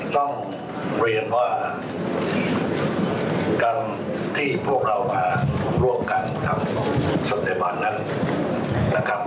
ต้องเรียนว่าการที่พวกเรามาร่วมกันกับสถาบันนั้นนะครับ